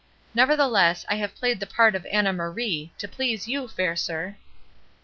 Nevertheless, I have played the part of Anna Marie, to please you, fair sir."